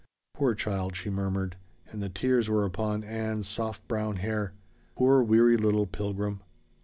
"Poor child," she murmured, and the tears were upon Ann's soft brown hair. "Poor weary little pilgrim."